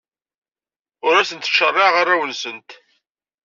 Ur asent-ttcaṛaɛeɣ arraw-nsent.